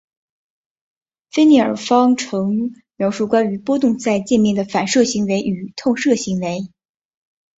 菲涅耳方程描述关于波动在界面的反射行为与透射行为。